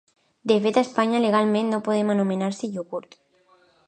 De fet, a Espanya legalment no poden anomenar-se iogurt.